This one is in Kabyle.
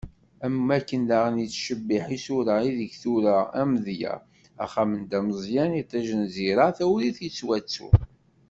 Am wakken daɣen tettcebiḥ isura ideg i d-turar, amedya: Axxam n Dda Meẓyan, Itij n Zira, Tawrirt yettwattun.